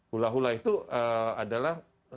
hula hula itu adalah